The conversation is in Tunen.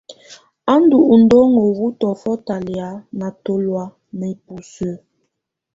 Á ndù udɔŋó wù tɔ̀ófɔ talɛ̀á ná tɔlɔ̀á ná ibusǝ́.